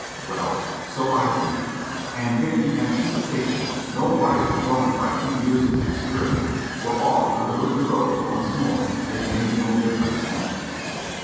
Well, so I dreamed, and if the anticipations, no wiser grown by two years' experience, were all coulcnr de rose once more, it made no difference then.